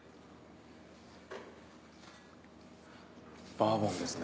バーボンですね。